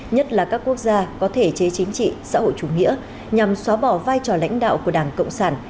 nhất là các quốc gia có thể chế chính trị xã hội chủ nghĩa nhằm xóa bỏ vai trò lãnh đạo của đảng cộng sản